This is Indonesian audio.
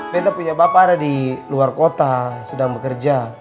kita punya bapak ada di luar kota sedang bekerja